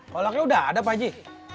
kolaknya udah ada pak ji